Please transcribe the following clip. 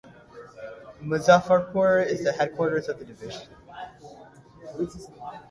Muzaffarpur is the headquarters of the Division.